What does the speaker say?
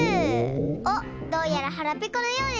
おっどうやらはらぺこのようですね。